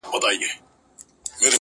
که حساب دی!!